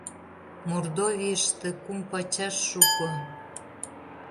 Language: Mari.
Мордовийыште кум пачаш шуко.